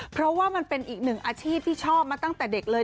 เพราะว่ามันเป็นอีกหนึ่งอาชีพที่ชอบมาตั้งแต่เด็กเลย